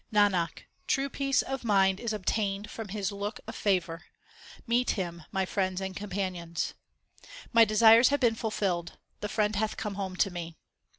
Nanak, true peace of mind is obtained from His look of favour ; meet Him, my friends and companions. My desires have been fulfilled ; the Friend hath come home to me.